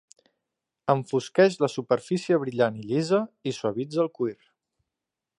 Enfosqueix la superfície brillant i llisa i suavitza el cuir.